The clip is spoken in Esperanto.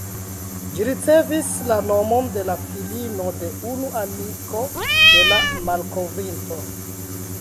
Ĝi ricevis la nomon de la filino de unu amiko de la malkovrinto.